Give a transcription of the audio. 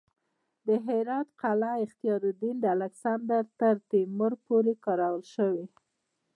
د هرات د قلعه اختیارالدین د الکسندر نه تر تیمور پورې کارول شوې